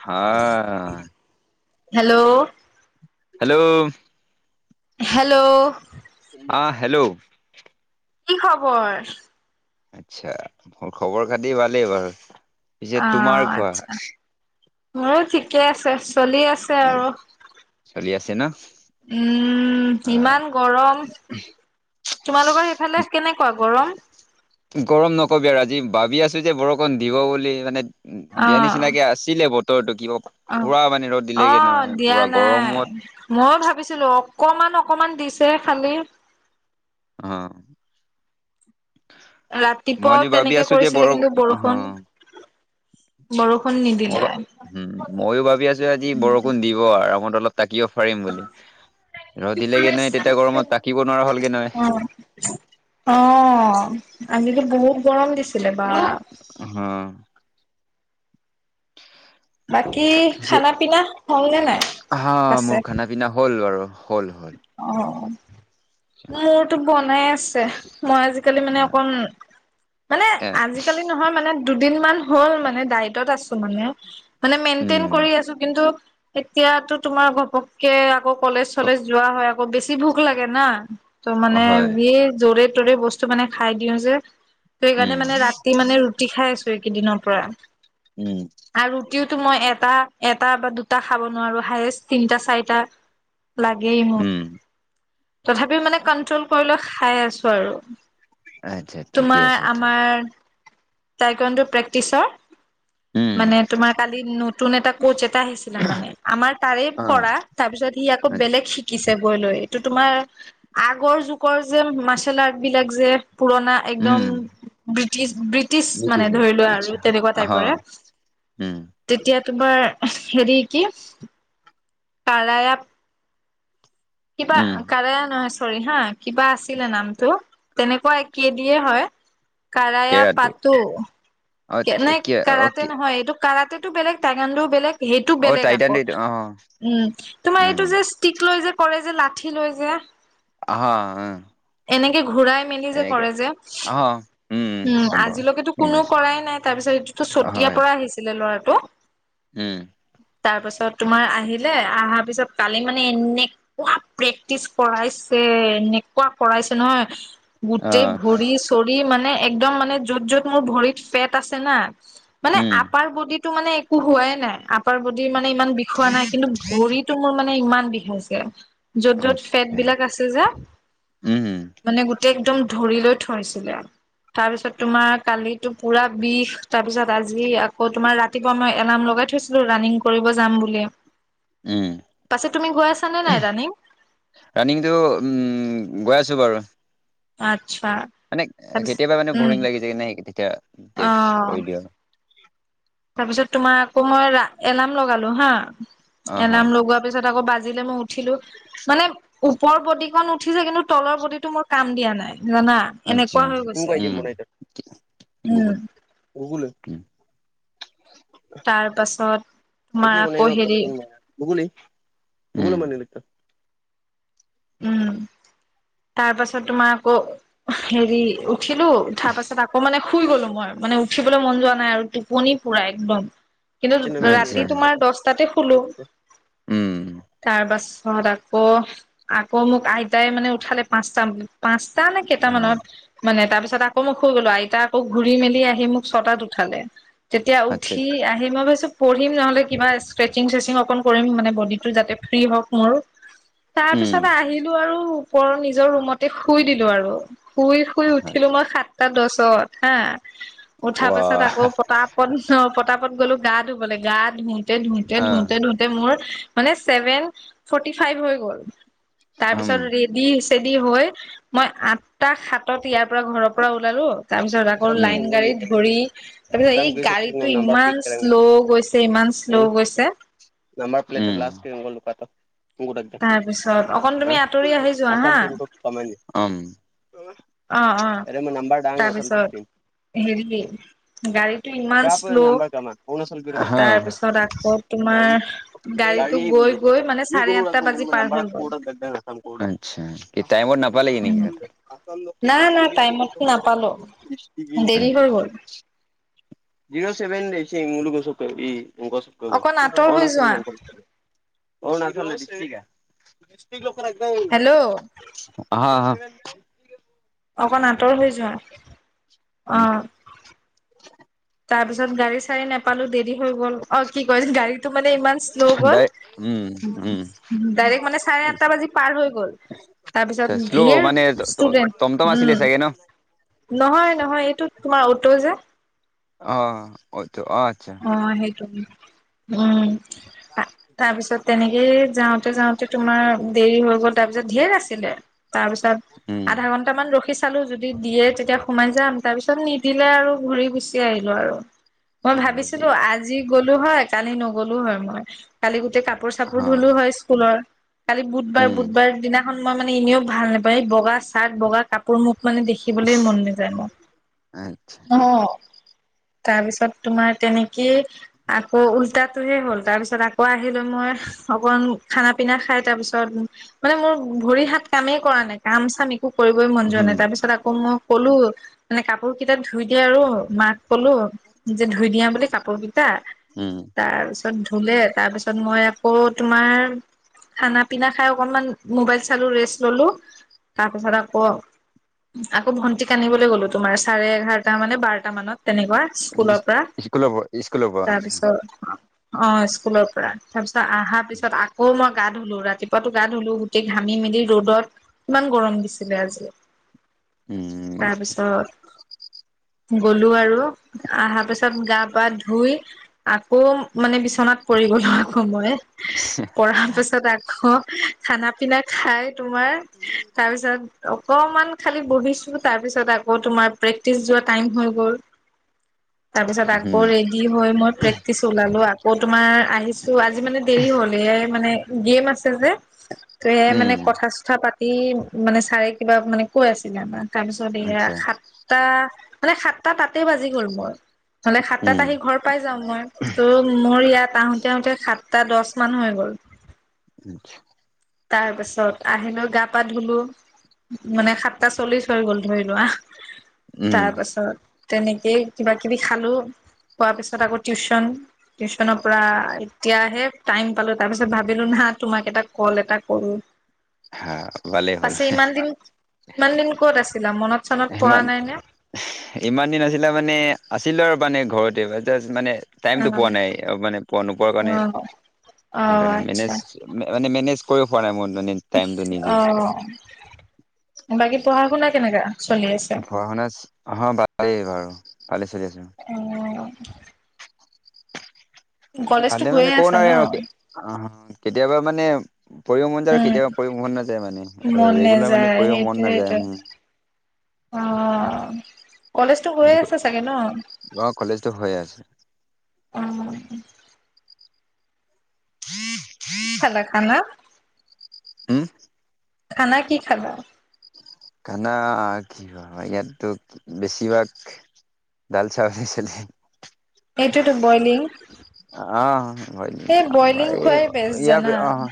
হা hello hello. Hello. অ', hello. কি খবৰ? আচ্ছা মোৰ খবৰ খাতি ভালেই বাৰু পিছে তোমাৰ কোৱা। ঘৰত ঠিকে আছে চলি আছে আৰু। চলি আছে ন? উম, অ ইমান গৰম তোমালোকৰ সেইফালে কেনেকুৱা গৰম? গৰম নকবি আৰু আজি ভাবি আছো যে বৰষুণ দিব বুলি মানে। উম, দিয় অ', নিচিনাকে আছিলে বতৰটো ক অ', পুৰা পানে ৰ'দ দিলেগে নহয় পুৰা গৰমত। মই ভাবিছিলো অকমান অকমান দিছে খালি। অ'। মই ৰাতিপুৱাও আজি ভাবি তেনেকে আছো যে বৰ কৰিছিলে কিন্তু অ বৰষুণ বৰষুণ নিদিলে। মই উম ময়ো ভাবি আছো আজি বৰষুণ দিব আৰামত অলপ থাকিব পাৰিম বুলি ৰ'দ দিলেগে নহয় তেতিয়া গৰমত থাকিব নোৱাৰা হ'লগে নহয়। অ', অ', আজিতো বহুত গৰম দিছিলে বা। হম। বাকী পিছে খানা পিনা হ'ল নে নাই? হা আছে। মোৰ খানা পিনা হ'ল বাৰু হ'ল হ'ল। অ', মোৰতো বনাই আছে মই আজি আজিকালি মানে অকণ মানে এ আজিকালি নহয় মানে দুদিন মান হ'ল মানে ডায়টত আছো মানে। মানে মেইনটেইন উম কৰি আছো কিন্তু এতিয়াতো তোমাৰ ঘপকে আকৌ কলেজ ক- চলেজ যোৱা হয় আকৌ বেছি ভোক লাগে না। ত' মানে হয় বি জৰে তৰে বস্তু মানে খাই দিওঁ যে ত' উম সেইকাৰণে মানে ৰাতি মানে ৰুটি খাই আছো এইকেইদিনৰ পৰা। উম। আৰু ৰুটিওটো মই এটা এটা বা দুটা খাব নোৱাৰো হায়ষ্ট তিনি চাৰি লাগেই মোক। উম তথাপিও মানে কন্ট্ৰল কৰি লৈ খাই আছো আৰু। আচ্ছা ঠিকে আছে। টাইকাণ্ডো প্ৰেক্টিচৰ। উম মানে তোমাৰ কালি নতুন এটা কোচ এটা আহিছিলা মানে আমাৰ তাৰে অ পৰা। তাৰ পিছত সি আকৌ আচ্ছা বেলেগ শিকিছে গৈ লৈ এইটো তোমাৰ আগৰ যুগৰ যে মাৰ্চেল আৰ্টবিলাক যে। পুৰণা একদম উম ব্ৰিটিছ ব্ৰি টিছ মানে বুজিছো ধৰি লোৱা আচ্ছা আৰু তেনেকুৱা হা টাইপৰে। উম তেতিয়া তোমাৰ হেৰি কি কাৰায়াপ কিবা উম কাৰে নহয় চৰি হা কিবা আছিলে নামটো তেনেকুৱা কে দিয়ে হয়। কাৰায়া কেৰাতে পাতো অ কেনে কি কাৰাতে অকে নহয় এইটো কৰাটেতো বেলেগ তাইকুৱানদ বেলেগ সেইটো অ বেলেগ টাইটান আকৌ। ৰেড। অ উম তোমাৰ উম এইটো যে টিক লৈ যে কৰে যে লাঠি লৈ যে অ উ এনেকে ঘূৰাই মেলি যে কৰে যে আহ উম গম পাওঁ আজিলৈকেতো গম কোনো পাইছো কৰাই নাই। তাৰপিছত এইটোতো চতিয়াৰ হয় পৰা আহিছিলে ল'ৰাটো। উম তাৰ পাছত তোমাৰ আহিলে আহাৰ পিছত কালি মানে এনে পোৰা প্ৰেক্টিচ কৰাইছে এনেকুৱা কৰাইছে নহয় গোটেই আহ ভৰি -চৰি মানে একদম মানে য'ত য'ত মোৰ ভৰিত ফেট আছে না মানে উম আপাৰ বডি টো মানে একো হোৱাই নাই। আপাৰ বডি মানে ইমান বিষোৱা নাই। কিন্তু ভৰিতটো মোৰ মানে ইমান বিষাইছে য'ত য'ত ফেট আচ্ছা বিলাক আছে যে উম মানে গোটেই একদম ধৰি লৈ থৈছিলে তাৰপিছত তোমাৰ কালিতো পুৰা বিষ তাৰপিছত আজি আকৌ তোমাৰ ৰাতি ৰাতিপুৱা মই এলাৰ্ম লগাই থৈছিলো ৰাণিং কৰিব যাম বুলি। উম পাছে তুমি গৈ আছা নে নাই ৰাণীং? ৰানিিংটো অ উম গৈ আছোঁ বাৰু। আটচা মানে কেতিয়াবা মানে বৰিং লাগি যায় কিনে য়েচ তেতিয়া কৰি দিওঁ তাৰ পিছত তোমাৰ আকৌ মই এলাৰ্ম লগালো হা অ হ এলাৰ্ম লগোৱা তাৰ পিছত আকৌ বাজিলে মই উঠিলো। মানে ওপৰ বডি কণ উঠিছে। কিন্তু তলৰ বডিটো মোৰ কাম দিয়া নাই জানা? আৰ্টচা এনেকুৱা [unintelligible] হৈ গৈছে উম তাৰ পাছত তোমাৰ আকৌ হেৰি ভগলি মগলি মন লত উম তাৰ পাছত তোমাৰ আকৌ হেৰি উঠিলো তাৰ পাছত আকৌ মানে শুই গলো মই। মানে উঠিবলৈ মন যোৱা নাই আৰু টোপনি পুৰা একদম কিন্তু ৰাতি তোমাৰ দহটাতে শুলো। তাৰপাছত আকৌ আকৌ মোক আইতাই মানে উঠালে পাঁচটাান পাঁচটা নে কেইটামানত মানে তাৰ পিছত আকৌ মোক শুই গ'লো। আইতা আকৌ ঘূৰি মেলি আহি মোক ছটাত উঠালে। তেতিয়া উঠি আহি মই ভাবিছোঁ পঢ়িম নহ'লে কিবা ষ্টচিং চিং অকণ কৰিম মানে বডিতো যাতে ফ্ৰী হওক মোৰ উম তাৰপিছতে আহিলো আৰু ওপৰৰ নিজৰ ৰুমতে শুই দিলো। আৰু শুই শুই হ আচ্ছা উম উঠিলো মই সাত দছত হা উঠাৰ পাছত ৱাহ আকৌ পতাত পতাপত গ'লো গা ধুবলৈ গা ধুইতে ধুইতে আহ ধুওতে ধু মোৰ মানে চেভেন ফৰ্তী ফাইভ হৈ গ'ল। তাৰ উম উম। পিছত ৰেডি -চেডি হৈ মই আঠটা সাতত ইয়াৰ পৰা ঘৰৰ পৰা ওলালো তাৰপিছত আকৌ লাইন গাড়ীত ধৰি তাৰপিছত এই গাড়ীটো ইমান শ্ল' গৈছে ইমান শ্ল' গৈছে নম্বৰ প্লেট্গ্লাছ [unintelligible] তাৰ পিছত অকন তুমি আঁতৰি আহি যোৱা হা [unintelligible] অম অ অ তাৰপিছত হেৰি গাড়ীতটো, ইমান শ্ল' তাৰপিছত আকৌ তোমাৰ গাড়ীটো গৈ, গৈ, মানে চাৰে আঠটা বাজি পাৰ হৈ গ'ল। আচ্ছা কি টাইমত, নাপালিগে নেকি? [inaudible] নাই নাই টাইমত নাপালো দেৰি হৈ [unintelligible] গ'ল জিৰ, চেভেন [inaudible] [inaudible] অকণ আঁতৰ হৈ অৰুণাচল যোৱা অ, [unintelligible] হেল্ল, আহক, আহক, অকণ আঁতৰ হৈ যোৱা। অ, তাৰ পিছত গাড়ী চাৰি নাপালো, দেৰি হৈ গ'ল অ, কি কৰিম গাড়ী টো, মানে ইমান শ্ল' গ'ল, ডাইৰেক্ট মানে চাৰে আঠটা বাজি পাৰ হৈ গ'ল। তাৰপিছত ধেৰ, ষ্টুডেণ্ট উম, নহয়, নহয়, এইটো তোমাৰ অট'যে অ, হয়তো অ, আচ্ছা। অ, সেইটো উম, তাৰপিছত তেনেকেই যাওঁতে,, যাওঁতে তোমাৰ দেৰি হৈ গ'ল, তাৰপিছত ধেৰ আছিলে তাৰ পিছত আধা ঘন্টা কেইটামান ৰখি চালোঁ, যদি দিয়ে তেতিয়া সোমাই যাম, তাৰ পিছত নিদিলে আৰু ঘূৰি গুচি আহিলোঁ আৰু। মই ভাবিছিলোঁ, আজি গ'লো হয়, কালি নগ'লো হয় মই। কালি গোটেই কাপোৰ- চাপোৰ ধুলো হয় স্কুলৰ, কালি উম বুধবাৰ-বুধবাৰ দিনা খন মই মানে এনেও ভাল নাপায়, এই বগা চাৰ্ট বগা কাপোৰ মোক মানে দেখিবলৈ মন নেযায়। আচ্ছা ন, তাৰপিছত তোমাৰ তেনেকে আকৌ উল্টাটোহে হ'ল, তাৰ পিছত আকৌ আহিলো মই অকণ খান-পিনা খাই তাৰ পিছত, মানে মোৰ ভৰি হাত কামেই কৰা নাই কাম চাম কৰিবই মন যোৱা হুম নাই তাৰ পিছত আকৌ মোক ক'লো মানে কাপোৰ কেইটাত ধুই দিয়ে আৰু মাক ক'লো যে ধুই দিয়া কাপোৰ কিতা উম, তাৰপিছত ধুলে, তাৰপিছত মই আকৌ তোমাৰ, খানা-পিনা খাই অকণমান মোবাইল চাল, ৰেছ ল'লো। তাৰ পিছত আকৌ আকৌ, ভণ্টিক আনিবলৈ গ'লো তোমাৰ চাৰে এঘাৰ টা, মানে বাৰটা মানত তেনেকুৱা স্কুলৰ পৰা। [inaudible] পৰা আচ্ছা তাৰপিছত অ, অ, স্কুলৰ পৰা তাৰপিছত আহা পিছত আকৌ মই গা, ধুলো ৰাতিপুৱাতো গা, ধুলো গোটেই ঘামি মেলি ৰ'দত, ইমান গৰম দিছিলে আজি। [unintelligible] উম তাৰপিছত গ'লো আৰু আহাৰ পিছত গা বা ধুই আকৌ মানে, বিচনাত পৰি লগো আকৌ‌ মই [inaudible] তাৰ পিছত আকৌ, খানা-পিনা খাই তোমাৰ তাৰপিছত অকমান খালি বহিছো, তাৰ পিছত আকৌ তোমাৰ প্ৰেক্টিচ যোৱা টাইম হৈ গ'ল। তাৰপিছত আ উম হৈ মই প্ৰেক্টিচ ওলালোঁ, আকৌ তোমাৰ আহিছো আজি মানে দেৰি হ'ল এয়াই মানে গেম আছে যে, ত সেয়াই মানে উম কথা-চথা পা এই মানে চাৰে কিবা মানে কৈ আছিলে, আমাৰ তাৰপিছত এইয়া আচ্ছা সাত সাতটা, মানে সাতটা তাতে বাজি গ'ল মোৰ। মানে, সাতটাত উম আহি ঘৰ পাই যাওঁ মই। ত' মোৰ ইয়াত, আহোঁতে-আহোঁতে সাতটা দহমান হৈ গ'ল। [unintelligible] তাৰপিছত আহিলোঁ, গা-পা ধুলোঁ। মানে, সাতটা চল্লিশ হৈ গ'ল, ধৰি লোৱা। উম তাৰ পাছত, তেনেকেই, কিবা-কিবি খালোঁ। খোৱাৰ পিছত, আকৌ টিউচন। টিউচনৰ পৰা, এতিয়াহে টাইম পালোঁ। তাৰপিছত, ভাবিলোঁ না, তোমাক এটা ক'ল এটা কৰোঁ। হা ভালেই হ'ল পাছে, ইমান দিন ইমান দিন ক'ত আছিলা? মনত চনত পৰা সিমান, নাই নে ইমান দিন আছিলে মানে, আছিলোঁ আৰু মানে, ঘৰতে। জাষ্ট মানে, অ টাইমটো পোৱা নাই। মানে, পোৱা-নোপোৱা অ কাৰণে। অ সেইকাৰণে, মেনেজ আচ্ছা মানে, মেনেজ কৰিব পোৱা নাই, মোৰ অন্য [unintelligible] অ'! বাকী, পঢ়া-শুনা কেনেকা? চলি আছে পঢ়া-শুনা? অ'! ভালেই বাৰু ভালে চলি আছোঁ। অ'! কলেজতো ভালে মানে, গৈয়ে ক'ব আছা ন নোৱাৰি আৰু। অ'! কেতিয়াবা মানে, পঢ়িব মন যায় আৰু উম কেতিয়াবা, পঢ়িব মন নাযায় মানে। মন ৰেগুলাৰ মানে, নেযায় পঢ়িব মন নাযায়, সেইটোয়েটো উম। অ'! কলেজতো গৈয়ে আছে, চাগে ন'? অ কলেজটো হৈ আছে অ'! [unintelligible] কি খালা খানা? উম! খানা কি খাবা? খানা, কি হয়, ইয়াততো বেছিভাগ দাল-চাউলে চলে। সেইটোতো, বইলিং? অ'! এই বইলিং খোৱাই বেষ্ট জানা। [unintelligible] অ'!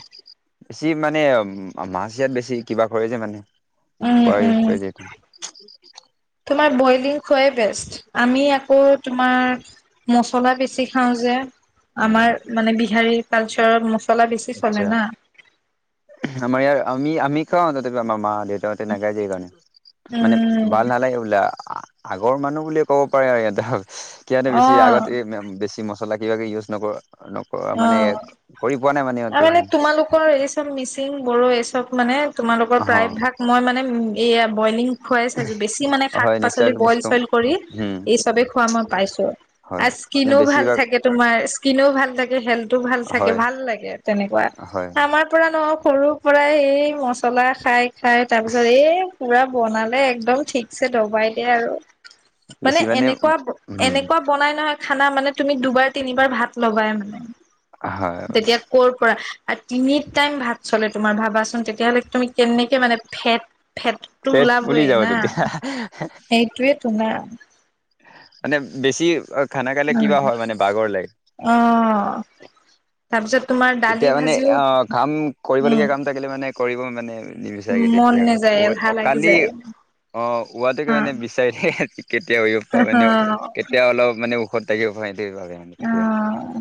বেছি মানে, মাছ ইয়াত বেছি, কিবা কৰে যে মানে। উম, খোৱা ইউজ কৰে যে এইটো উম! তোমাৰ বইলিং খোৱাই বেষ্ট। আমি আকৌ তোমাৰ, মছলা বেছি খাওঁ যে। উম আমাৰ মানে, বিহাৰীৰ কালচাৰত মছলা বেছি আচ্ছা চলে না। আমাৰ ইয়াৰ, আমি-আমি খাওঁ। তথাপি, আমাৰ মা-দেউ ত' তেনেকে, [unintelligible] মানে, উম, ভাল নালাগে, [unintelligible] আগৰ মানুহ বুলিয়ে ক'ব পাৰে আৰু ইয়াতে। কি ইয়াতে বেছি, অ', আগতে বেছি, ম মছলা কিবাকিবি ইউজ নকৰোঁ, নকৰোঁ মানে, অ'। কৰি পোৱা নাই, মানে সিহঁতি। [unintelligible] [unintelligible] মিচিং, বড়ো, এই চব মানে, তোমালোকৰ প্ৰায়ভাগ, মই মানে, এইয়া বইলিং খুৱাই চাইছোঁ। বেছি মানে, অ হয় শাক-পাচলি নেচাৰেল বস্তু বইল-চইল কৰি উম এই চবেই খোৱা মই পাইছোঁ। হয় আৰু মানে স্কিনো ভাল বেছিভাগ থাকে। তোমাৰ স্কিনো ভাল থাকে, হেল্থো ভাল থাকে। হয় ভাল লাগে, তেনেকুৱা! হয় আমাৰ পৰা ন' সৰুৰ পৰাই এই, মছলা খাই-খাই তাৰপিছত এই, পূৰা বনালে, একদম ঠিক ছে দবাই দিয়ে আৰু। মানে, উম এনেকুৱা-এনেকুৱা বনাই নহয়, খানা মানে, তুমি দুবাৰ-তিনিবাৰ ভাত ল'বাই মানে। হয়! মানে তেতিয়া ক'ৰপৰা, তিনি টাইম ভাত চলে তোমাৰ। ভাবাচোন, তেতিয়াহ'লে তুমি কেনেকে মানে, ফেট-ফেটটো পেট ফুলি ওলাবই যাব না! তেতিয়া সেইটোৱে তোমাৰ মানে বেছি খানা খালে কিবা উম হয় মানে, বাঘৰ লাগ। অ'। তাৰপিছত তোমাৰ দালি তেতিয়া মানে ভাজিও অ, কাম উম কৰিবলগীয়া কাম থাকিলে মানে, কৰিব মানে নিবিচাৰগে মন তেতিয়া নাযায় এলাহ আৰু লাগি কালি যায় অ, ৱটোকে অ মানে বিচাৰি থে কেতিয়া উ প অ মানে কেতিয়া অলপ মানে ঔষধ তাকে হোৱা টোৱে ভাবে। মানে তেতিয়া অ',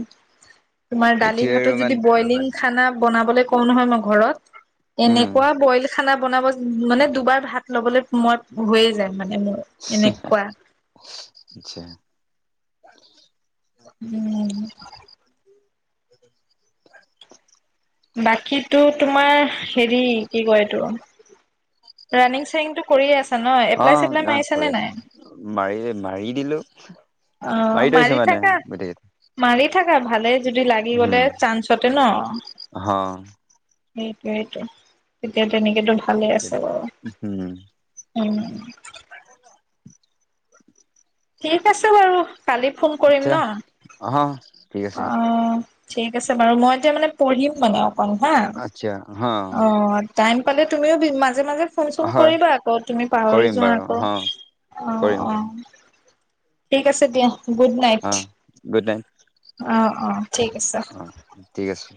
তোমাৰ দালি এতিয়া ভাতো আৰু যদি মানে বইলিং খানা বনাবলৈ কওঁ নহয় মই ঘৰত। উম এনেকোৱা বইল খানা বনাব উম মানে দুবাৰ ভাত ল'বলৈ মই হৈয়ে যায়, মানে মোৰ। এনেকুৱা আতচ্ছা। উম'। বাকীতো তোমাৰ হেৰি কি কয় এইটো, ৰানিং চানিং টো কৰিয়ে আছা ন। অ এপ্লাই- চেপ্লাই মাৰিছা কৰি নে, আছো নাই? মাৰি- মাৰি দিলো। অ, থৈছো মাৰি মানে থাকা। গোটেই মাৰি থকা, ভালে যদি লাগি গলে চান্সতে ন। উম। সেইটোইটো, এতিয়া তেনেযে ভালে আছে বাৰু। উম উম। [unintelligible] ঠিক আছে বাৰু, কালি ফোন কৰিম ন। অ, ঠিক অ আছে। ঠিক আছে বাৰু, মই এতিয়া মানে, পঢ়িম মানে অকমাণ হা। অ। অ, টাইম পালে তুমিও মাজে- মাজে ফোন চোন হয় কৰিবা আকৌ। তুমি পাহৰি কৰিম যোৱা বাৰু আকৌ। হ অ কৰিম- অ কৰিম। ঠিক আছে দিয়া, গুড নাইট। অ গুড নাইট। অ, অ ঠিক আছে। অ, ঠিক আছে।